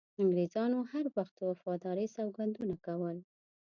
انګریزانو هر وخت د وفادارۍ سوګندونه کول.